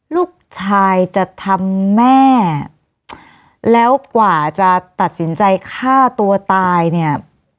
ลูกชายจะทำแม่แล้วกว่าจะตัดสินใจฆ่าตัวตายเนี่ย